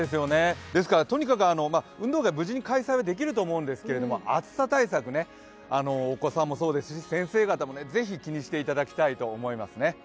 とにかく運動会、無事に開催できるとは思うんですけれども暑さ対策ね、お子さんもそうですが先生方もぜひ気にしていただきたいと思いますね。